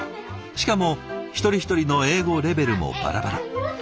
しかも一人一人の英語レベルもバラバラ。